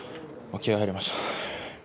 気合いが入りましたね。